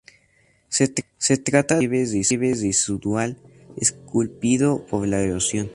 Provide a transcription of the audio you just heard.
Se trata de un relieve residual esculpido por la erosión.